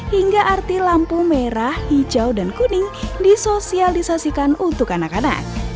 hingga arti lampu merah hijau dan kuning disosialisasikan untuk anak anak